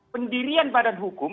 pendirian badan hukum